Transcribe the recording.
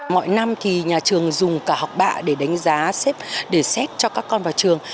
mọi năm thì nhà trường dùng cả học bạ để đánh giá để xét cho các con vào trường